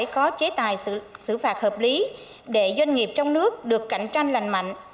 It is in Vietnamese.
có chế tài xử phạt hợp lý để doanh nghiệp trong nước được cạnh tranh lành mạnh